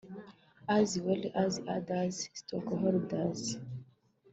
as well as other stakeholders